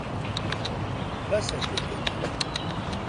بەسە پێکەنین.